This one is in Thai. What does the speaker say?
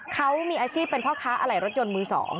เขามีอาชีพเป็นพ่อค้าอะไหล่รถยนต์มือ๒